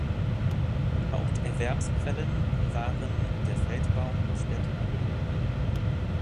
Haupterwerbsquellen waren der Feldbau und der Tagelohn.